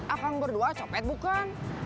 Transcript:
akang berdua nyopet bukan